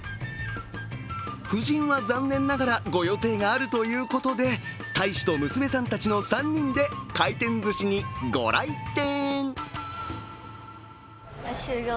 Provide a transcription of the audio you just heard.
夫人は残念ながらご予定があるということで大使と娘さんたちの３人で回転ずしにご来店。